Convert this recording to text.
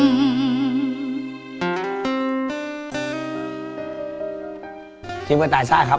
ไม่จำเป็นมีคนที่หัวขาด